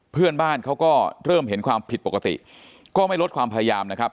เพื่อนบ้านเขาก็เริ่มเห็นความผิดปกติก็ไม่ลดความพยายามนะครับ